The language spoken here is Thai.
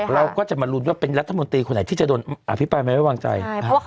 เราก็จะมาลุ้นว่าเป็นรัฐมนตรีคนไหนที่จะโดนอภิปรายไม่ไว้วางใจ